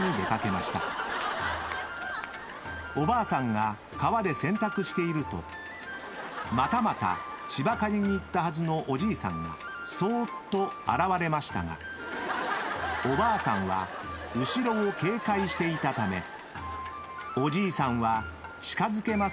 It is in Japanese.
［おばあさんが川で洗濯しているとまたまたしば刈りに行ったはずのおじいさんがそうっと現れましたがおばあさんは後ろを警戒していたためおじいさんは近づけませんでした］